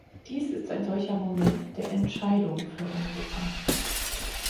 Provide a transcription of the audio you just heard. Dies ist ein solcher Moment der Entscheidung für Europa.